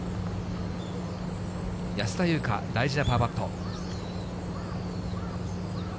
安田祐香、大事なパーパット。